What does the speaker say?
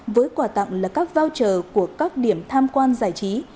với quà tặng là các voucher của các điểm tham quan giải trí